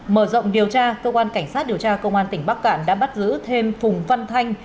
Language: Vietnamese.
mở rộng điều tra cơ quan cảnh sát điều tra công an tỉnh bắc cạn đã bắt giữ thêm phùng văn thanh